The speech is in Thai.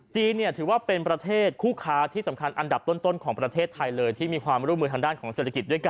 ถือว่าเป็นประเทศคู่ค้าที่สำคัญอันดับต้นของประเทศไทยเลยที่มีความร่วมมือทางด้านของเศรษฐกิจด้วยกัน